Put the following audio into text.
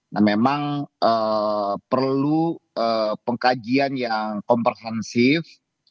nah memang perlu pengkajian yang komprehensif